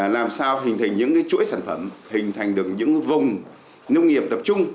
làm sao hình thành những chuỗi sản phẩm hình thành được những vùng nông nghiệp tập trung